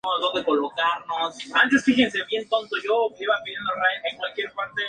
El productor se enamoró, no sólo de la canción, sino de la grabación misma.